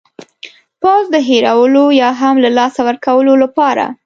پوځ د هېرولو یا هم له لاسه ورکولو لپاره.